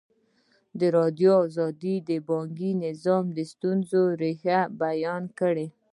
ازادي راډیو د بانکي نظام د ستونزو رېښه بیان کړې.